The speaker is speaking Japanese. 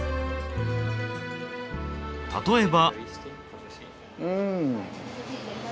例えば。